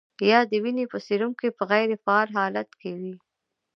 یا د وینې په سیروم کې په غیر فعال حالت کې وي.